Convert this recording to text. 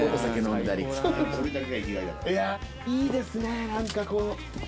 いいですね何かこう。